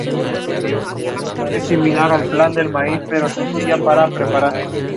Su actual club es Deportes Iberia de Los Ángeles.